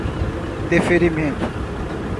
deferimento